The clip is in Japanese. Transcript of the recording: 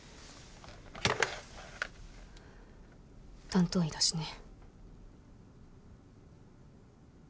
担当医だしね。